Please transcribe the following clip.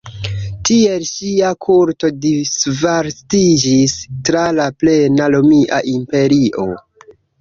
Tiel ŝia kulto disvastiĝis tra la plena Romia imperio.